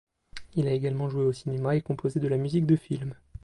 Il a également joué au cinéma et composé de la musique de film.